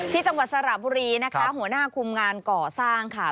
จังหวัดสระบุรีนะคะหัวหน้าคุมงานก่อสร้างค่ะ